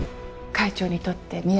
会長にとってみ